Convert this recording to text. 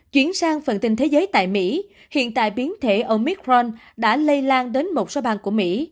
chuyển sang phần tin thế giới tại mỹ hiện tại biến thể ở micron đã lây lan đến một số bang của mỹ